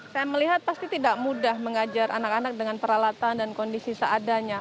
saya melihat pasti tidak mudah mengajar anak anak dengan peralatan dan kondisi seadanya